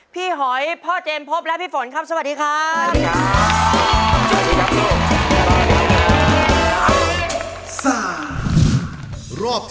หอยพ่อเจมส์พบและพี่ฝนครับสวัสดีครับ